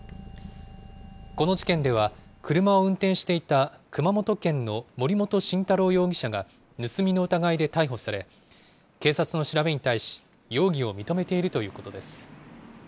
この事件では、車を運転していた熊本県の森本晋太郎容疑者が盗みの疑いで逮捕され、警察の調べに対し、容疑を認めているということです。